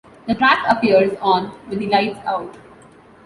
The track appears on "With the Lights Out".